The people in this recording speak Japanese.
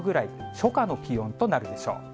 初夏の気温となるでしょう。